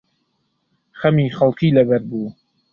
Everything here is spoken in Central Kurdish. خەمی خەڵکی لەبەر بوو